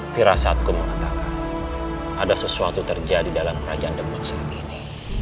fira saatku mengatakan ada sesuatu terjadi dalam kerajaan demikian ini